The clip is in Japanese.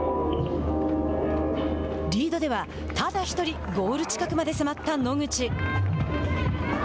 リードではただ１人ゴール近くまで迫った野口。